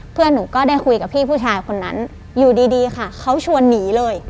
เพื่อนหนูก็ได้คุยกับพี่ผู้ชายคนนั้นอยู่ดีค่ะเขาชวนหนีเลย